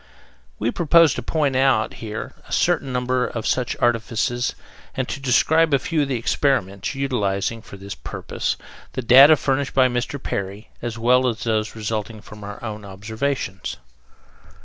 We propose to point out here a certain number of such artifices and to describe a few of the experiments, utilizing for this purpose the data furnished by Mr. Perry, as well as those resulting from our own observations.